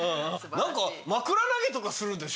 何か枕投げとかするんでしょ？